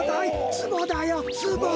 ツボだよツボ！